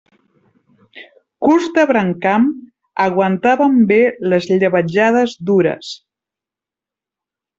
Curts de brancam, aguantaven bé les llebetjades dures.